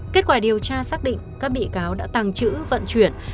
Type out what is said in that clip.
kết quả điều tra xác định các bị cáo đã tàng trữ vận chuyển